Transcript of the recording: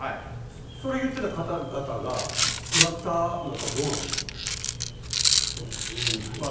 それ言ってた方がクラスターになったらどうなるんでしょうね。